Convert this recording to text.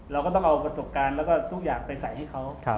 เราก็ต้องเอาประสบการณ์แล้วก็ทุกอย่างไปใส่ให้เขา